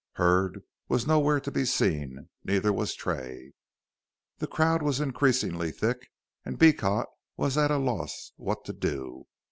Hurd was nowhere to be seen, neither was Tray. The crowd was increasing thick, and Beecot was at a loss what to do.